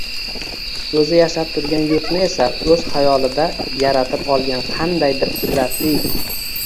O‘zi yashab turgan yurtni esa o‘z xayolida yaratib olgan qandaydir qudratli